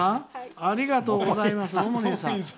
ありがとうございます。